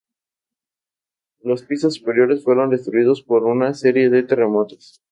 Los pisos superiores fueron destruidos por una serie de terremotos.